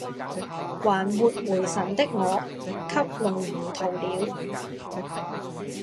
還沒回神的我給弄糊塗了